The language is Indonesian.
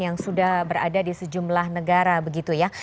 yang sudah berada di sejumlah negara begitu ya